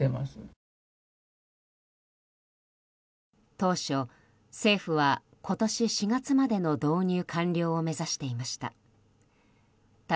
当初、政府は今年４月までの導入完了を目指していました。